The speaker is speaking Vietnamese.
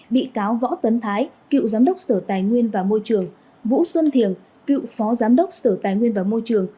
bị cáo võ tấn thái cựu giám đốc sở tài nguyên và môi trường vũ xuân thiềng cựu phó giám đốc sở tài nguyên và môi trường